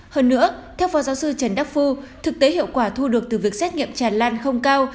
hơn nữa theo phó giáo sư trần đắc phu thực tế hiệu quả thu được từ việc xét nghiệm tràn lan không cao